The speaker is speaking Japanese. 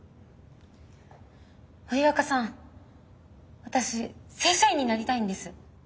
森若さん私正社員になりたいんです。